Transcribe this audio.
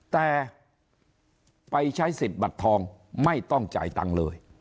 แต่ไปใช้สิทธิ์บัตรทองไม่ต้องจ่ายตังค์เลย